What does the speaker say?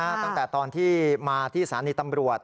ตั้งแต่ตอนที่มาที่สถานีตำรวจ